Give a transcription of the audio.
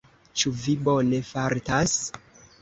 Ĉu vi bone fartas?